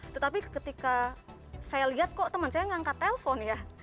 tetapi ketika saya lihat kok teman saya ngangkat telpon ya